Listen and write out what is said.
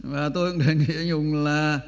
và tôi cũng đề nghị anh hùng là